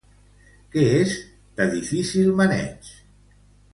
Què és de difícil maneig?